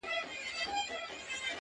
کله کله به خبر دومره اوږده سوه.!